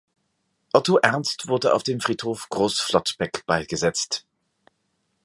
Otto Ernst wurde auf dem Friedhof Groß Flottbek beigesetzt.